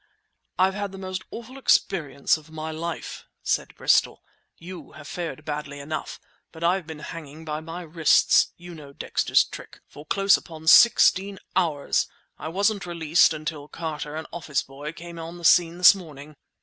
"I've had the most awful experience of my life," said Bristol. "You've fared badly enough, but I've been hanging by my wrists—you know Dexter's trick!—for close upon sixteen hours! I wasn't released until Carter, an office boy, came on the scene this morning!"